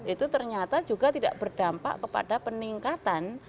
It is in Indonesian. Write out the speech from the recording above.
itu ternyata juga tidak berdampak kepada peningkatan